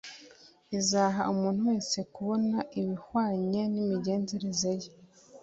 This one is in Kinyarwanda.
izaha umuntu wese kubona ibihwanye n’imigenzereze ye